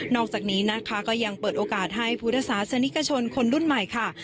อกจากนี้นะคะก็ยังเปิดโอกาสให้พุทธศาสนิกชนคนรุ่นใหม่ค่ะ